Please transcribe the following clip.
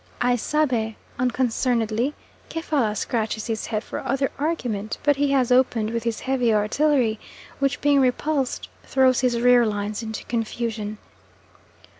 I "sabe" unconcernedly; Kefalla scratches his head for other argument, but he has opened with his heavy artillery; which being repulsed throws his rear lines into confusion.